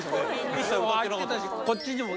一切歌ってなかった